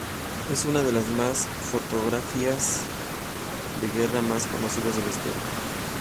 Es una de las más fotografías de guerra más conocidas de la historia.